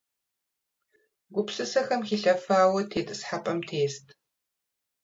Гупсысэхэм хилъэфауэ тетӏысхьэпӏэм тест.